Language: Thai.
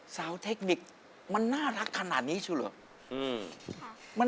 สาวเทคนิคมันน่ารักขนาดนี้ใช่ไหมครับช่วยหรือ